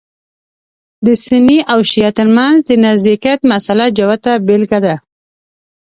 د سني او شعیه تر منځ د نزدېکت مسأله جوته بېلګه ده.